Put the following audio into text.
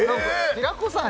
平子さん